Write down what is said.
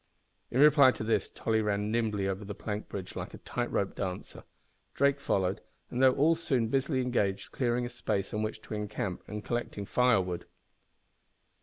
In reply to this Tolly ran nimbly over the plank bridge like a tight rope dancer. Drake followed, and they were all soon busily engaged clearing a space on which to encamp, and collecting firewood.